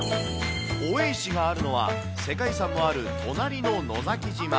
王位石があるのは世界遺産もある隣の野崎島。